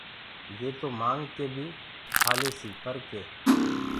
يي تو مآنگ ڪي بيٚ کاليسيٚ پر ڪي